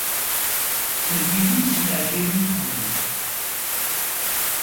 Ttergigin si leɛǧayeb i txedmeḍ.